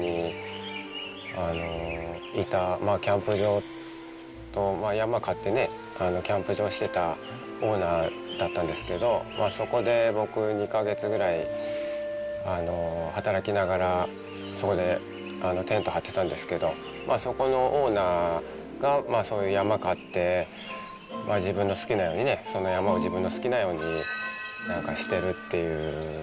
オーストラリア旅してた最後にいたキャンプ場、山買ってね、キャンプ場してたオーナーだったんですけど、そこで僕、２か月ぐらい働きながら、そこでテント張ってたんですけど、そこのオーナーが、そういう山買って、自分の好きなようにね、その山を自分の好きなようになんかしてるっていう。